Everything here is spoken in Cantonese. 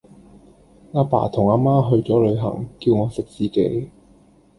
阿爸同阿媽去左旅行，叫我食自己